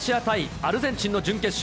アルゼンチンの準決勝。